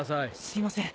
すいません。